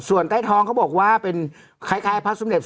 ส่วนใต้ท้องเขาบอกว่าเป็นคล้ายพระสมเด็จ